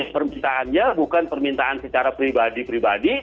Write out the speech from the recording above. permintaannya bukan permintaan secara pribadi pribadi